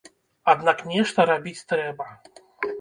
Аднак нешта рабіць трэба.